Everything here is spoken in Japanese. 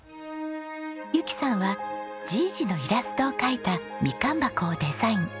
ゆきさんはじぃじのイラストを描いたみかん箱をデザイン。